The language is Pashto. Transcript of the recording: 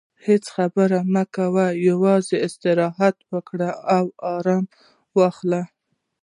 هیڅ خبرې مه کوه، یوازې استراحت وکړه او ارام واخلې.